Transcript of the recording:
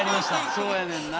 そうやねんな。